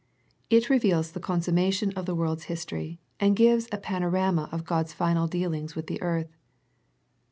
It reveals the consummation of the world's history, and gives a panorama of God's final dealings with the earth.